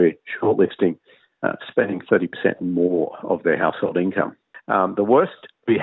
yang kita yakin menghabiskan tiga puluh lebih keuntungan rumah rumah